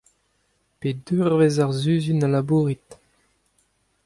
Pet eurvezh ar sizhun a labourit ?